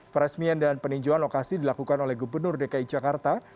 peresmian dan peninjauan lokasi dilakukan oleh gubernur dki jakarta